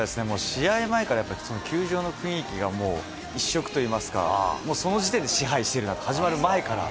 試合前からやっぱり、球場の雰囲気がもう一色といいますか、その時点で支配してるなという、始まる前から。